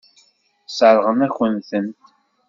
Sseṛɣeɣ-aken-tent.